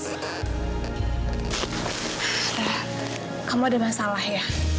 saya kamu ada masalah ya